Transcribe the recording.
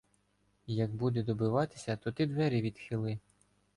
— Як буде добиватися, то ти двері відхили.